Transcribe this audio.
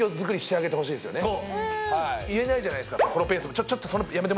言えないじゃないですか。